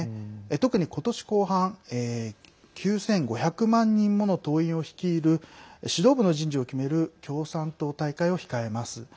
特に、ことし後半９５００万人もの党員を率いる指導部の人事を決める共産党大会を控えます。